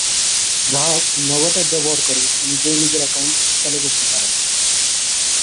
গ্রাহক নগদ অ্যাপ ব্যবহার করে নিজেই নিজের অ্যাকাউন্ট চালু করতে পারেন।